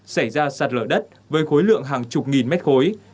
xảy ra sạt lở đất với khối lượng hàng chục nghìn mét khối